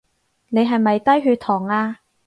你係咪低血糖呀？